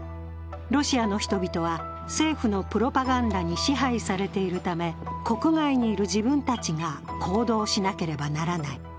ロシアの人々は政府のプロパガンダに支配されているため、国外にいる自分たちが行動しなければならない。